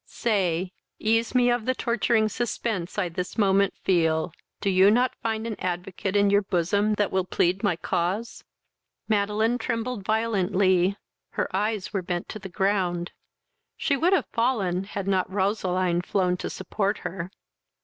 Say, ease me of the torturing suspense I this moment feel, do you not find an advocate in your bosom that will plead my cause?" Madeline trembled violently; her eyes were bent to the ground: She would have fallen, had not Roseline flown to support her.